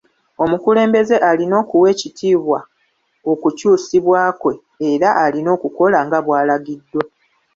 Omukulembeze alina okuwa ekitiibwa okukyusibwa kwe era alina okukola nga bw'alagiddwa.